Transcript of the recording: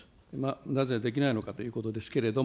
なぜできないのかということですけれども。